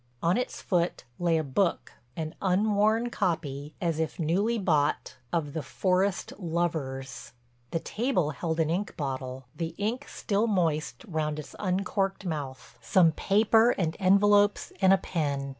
On its foot lay a book, an unworn copy, as if newly bought, of "The Forest Lovers." The table held an ink bottle, the ink still moist round its uncorked mouth, some paper and envelopes and a pen.